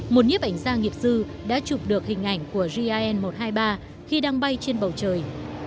một nhiếp ảnh gia nghiệp sư đã chụp được hình ảnh của gin một trăm hai mươi ba khi đang bay trên bầu trời